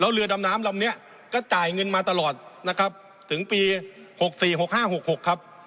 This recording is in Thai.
แล้วเรือดำน้ำลำนี้ก็จ่ายเงินมาตลอดนะครับถึงปีหกสี่หกห้าหกหกครับ